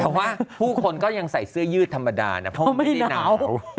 เพราะว่าผู้คนก็ยังใส่เสื้อยืดธรรมดานะเพราะว่าไม่ได้หนาว